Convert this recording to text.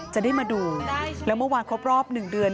จะได้มาดูแล้วเมื่อวานครบรอบ๑เดือน